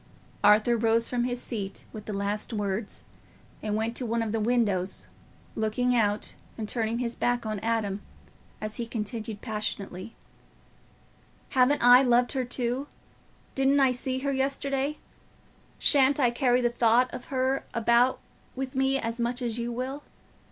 Arthur rose from his seat with the last words, and went to one of the windows, looking out and turning his back on Adam, as he continued, passionately, "Haven't I loved her too? Didn't I see her yesterday? Shan't I carry the thought of her about with me as much as you will?